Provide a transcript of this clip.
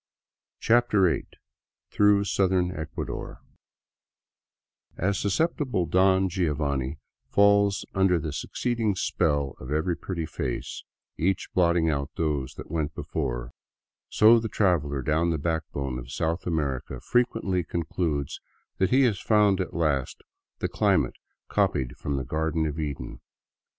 189 CHAPTER VIII THROUGH SOUTHERN ECUADOR AS susceptible Don Giovanni falls under the succeeding spell of every pretty face, each blotting out those that went before, so the traveler down the backbone of South America fre quently concludes that he has found at last the climate copied from the Garden of Eden.